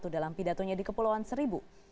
dalam pidatonya di kepulauan seribu